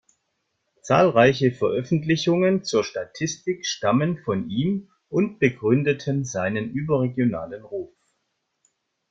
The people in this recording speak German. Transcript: Zahlreiche Veröffentlichungen zur Statistik stammen von ihm und begründeten seinen überregionalen Ruf.